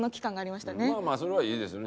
まあまあそれはいいですよね。